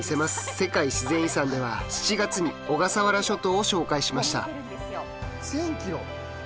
世界自然遺産」では７月に小笠原諸島を紹介しました。